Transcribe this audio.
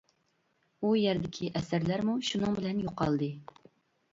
ئۇ يەردىكى ئەسەرلەرمۇ شۇنىڭ بىلەن يوقالدى.